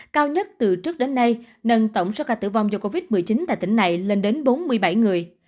cao nhất từ trước đến nay nâng tổng số ca tử vong do covid một mươi chín tại tỉnh này lên đến bốn mươi bảy người